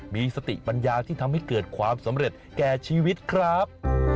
มีสติปัญญาที่ทำให้เกิดความสำเร็จแก่ชีวิตครับ